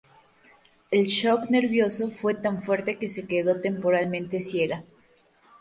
El shock nervioso fue tan fuerte que se quedó temporalmente ciega.